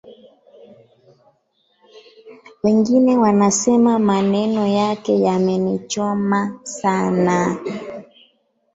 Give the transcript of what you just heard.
Wengine wanasema maneno yake yamenichoma sana…